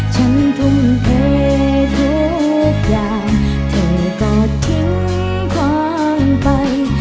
ทุ่มเททุกอย่างเธอก็ทิ้งความไป